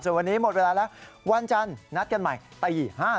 ส่วนวันนี้หมดเวลาแล้ววันจันทร์นัดกันใหม่ตี๕